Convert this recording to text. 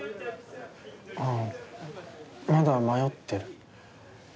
あっまだ迷ってる。